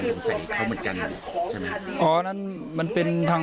ผู้ชมรูมานทราบเป็นนั่ง